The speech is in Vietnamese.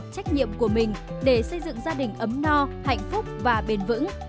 trách nhiệm của mình để xây dựng gia đình ấm no hạnh phúc và bền vững